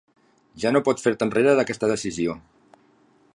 Ja no pots fer-te enrere d'aquesta decisió.